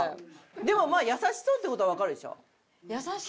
でもまあ優しそうって事はわかるでしょ？